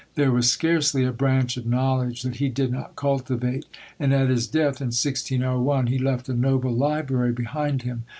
There was scarcely a branch of knowledge that he did not cultivate; and at his death, in 1601, he left a noble library behind him.